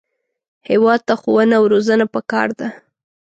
هېواد ته ښوونه او روزنه پکار ده